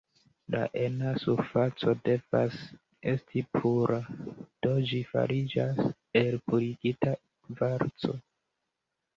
La ena surfaco devas esti pura, do ĝi fariĝas el purigita kvarco.